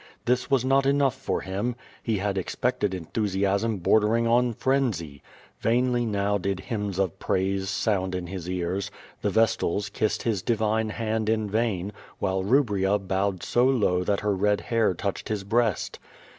This was not enough for him. lie had expected enthusiasm bordering on frenzy. Vainly now di<l hymns of praise sound in his ears; the vestals kissed his divine hand in vain, while Rubria bowed so low that her red hair touched his breast.